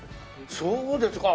そうですか。